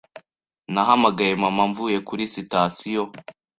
Nahamagaye mama mvuye kuri sitasiyo.